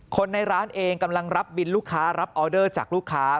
คนในร้านเองกำลังรับบินลูกค้ารับออเดอร์จากลูกค้า